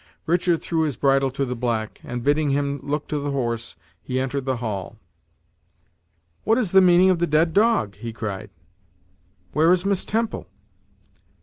Richard threw his bridle to the black, and, bidding him look to the horse, he entered the hall. "What is the meaning of the dead dog?" he cried. "Where is Miss Temple?"